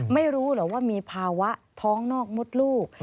ไม่รู้เหรอว่ามีภาวะท้องนอกมดลูก